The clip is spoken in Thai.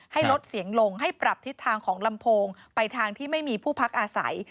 ให้ลดเสียงลงให้ปรับทิศทางของลำโพงไปทางที่ไม่มีผู้พักอาศัย